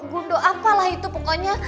gundo apalah itu pokoknya